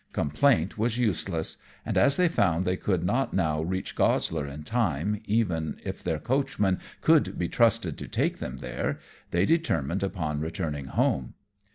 Complaint was useless; and as they found they could not now reach Goslar in time, even if their coachman could be trusted to take them there, they determined upon returning home.